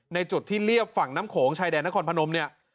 จุดที่เรียบฝั่งน้ำโขงชายแดนนครพนมเนี่ย